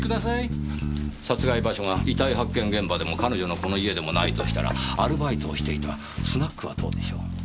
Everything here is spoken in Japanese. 殺害場所が遺体発見現場でも彼女のこの家でもないとしたらアルバイトをしていたスナックはどうでしょう？